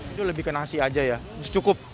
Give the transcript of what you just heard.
itu lebih ke nasi aja ya cukup